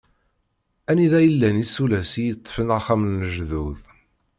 Anida i llan yisulas i yeṭfen axxam n lejdud.